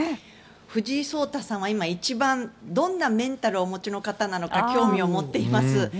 藤井聡太さんは今、一番どんなメンタルをお持ちの方なのか興味を持っています。